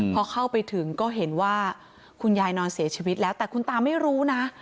พอเข้าไปถึงก็เห็นว่าคุณยายนอนเสียชีวิตแล้วแต่คุณตาไม่รู้นะ